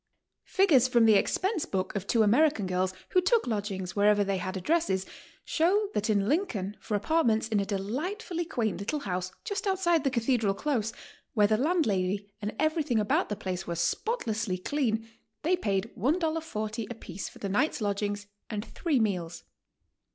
Figures from the ex pense book of two American girls who took lodgings wher ever they had addresses, show that in Lincoln for apartments in a delightfully quaint little house just outside the cathedral close, where the landlady and everything about the place were spotlessly clean, they paid $1.40 apiece for the night's lodg ing and three meels.